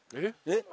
えっ？